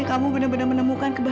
kamilah apa kabar